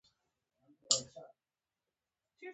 ازادي راډیو د اقتصاد په اړه نړیوالې اړیکې تشریح کړي.